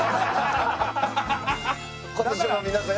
今年も皆さん